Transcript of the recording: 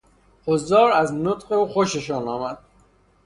حضار از نطق او خوششان آمد.